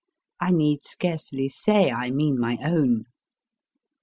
I need scarcely say I mean my own.